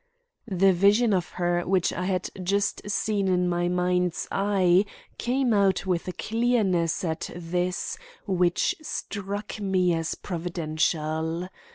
The vision of her which I had just seen in my mind's eye came out with a clearness at this, which struck me as providential.